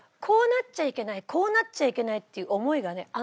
こうなっちゃいけないこうなっちゃいけないっていう思いがね